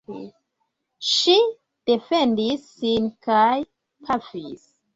Ŝi defendis sin kaj pafis.